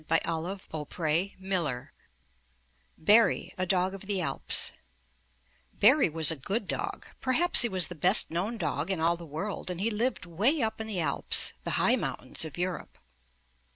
87 M Y BOOK HOUSE BARRY, A DOG OF THE ALPS Barry was a good dog; perhaps he was the best known dog in all the world, and he lived way up in the Alps — the high mount ains of Europe.